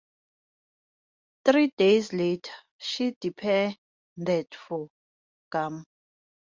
Three days later she departed for Guam.